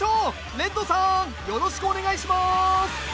レッドさんよろしくお願いします